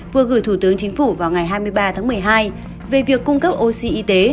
vừa gửi thủ tướng chính phủ vào ngày hai mươi ba tháng một mươi hai về việc cung cấp oxy